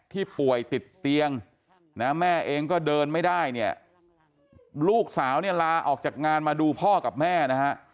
ป่วยติดเตียงนะแม่เองก็เดินไม่ได้เนี่ยลูกสาวเนี่ยลาออกจากงานมาดูพ่อกับแม่นะฮะ